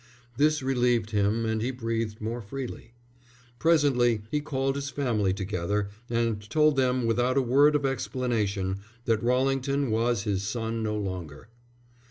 This relieved him and he breathed more freely. Presently he called his family together and told them without a word of explanation that Rallington was his son no longer.